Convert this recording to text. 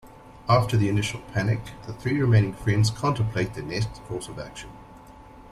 After the initial panic, the three remaining friends contemplate their next course of action.